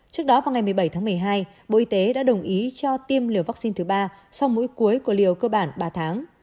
trước đó vào ngày một mươi bảy tháng một mươi hai bộ y tế đã đồng ý cho tiêm liều vaccine thứ ba sau mỗi cuối của liều cơ bản ba tháng